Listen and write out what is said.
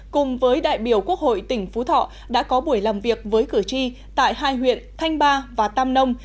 cùng với đại biểu quốc hội tỉnh phú thọ đã có buổi làm việc với cử tri tại hai huyện thanh ba và tam nông